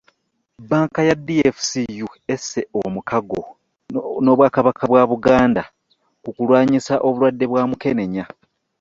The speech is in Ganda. Bbanka ya DFCU esse omukago ny'obwakabaka bwa Buganda ku kulwanyisa obulwadde bwa Mukenenya